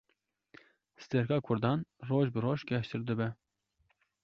Stêrka Kurdan, roj bi roj geştir dibe